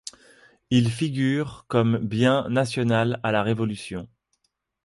Il figure comme bien national à la Révolution.